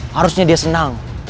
harusnya dia senang